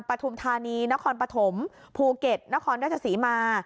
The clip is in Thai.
ปฐุมธานีนครปฐมภูเก็ตนครราชศรีมา